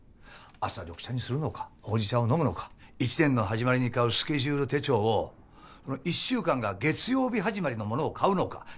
朝緑茶にするのかほうじ茶を飲むのか一年の始まりに買うスケジュール手帳を１週間が月曜日始まりのものを買うのか